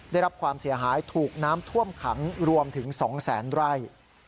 ได้รับความเสียหายถูกน้ำท่วมขังรวมถึง๒แสนไร่